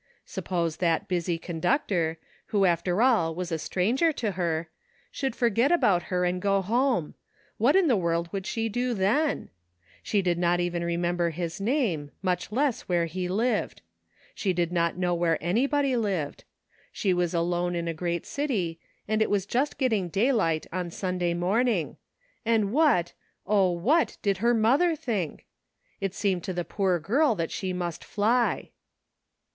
Suppose that busy conductor, who after all was a stranger to her, should forget about her and go home ; what in the world should she do then? She did not 80 A NEW FRIEND. even remember his name, much less where he lived. She did not know where anybody lived ; she was alone in a great city, and it was just getting daylight on Sunday morning; and what, O, what did her mother think ? It seemed to the poor girl that she must fly.